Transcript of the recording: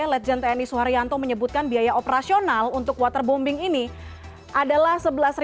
legend tni suharyanto menyebutkan biaya operasional untuk waterbombing ini adalah